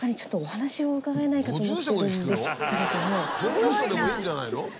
この人でもいいんじゃないの？